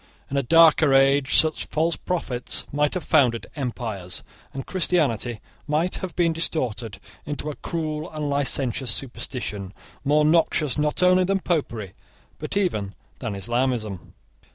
In a darker age such false prophets might have founded empires; and Christianity might have been distorted into a cruel and licentious superstition, more noxious, not only than Popery, but even than Islamism.